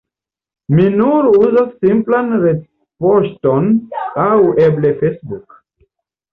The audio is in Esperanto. Mi nur uzas simplan retpoŝton aŭ eble Facebook.